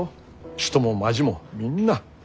人も町もみんな。